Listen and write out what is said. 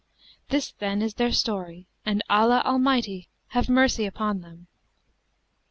This, then, is their story, and Allah Almighty have mercy upon them!"